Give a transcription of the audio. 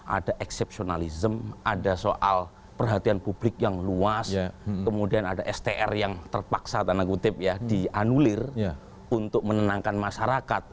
ada eksepsionalism ada soal perhatian publik yang luas kemudian ada str yang terpaksa tanda kutip ya dianulir untuk menenangkan masyarakat